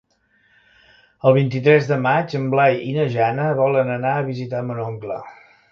El vint-i-tres de maig en Blai i na Jana volen anar a visitar mon oncle.